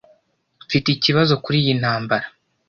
Mfite ikibazo kuriyi ntambara.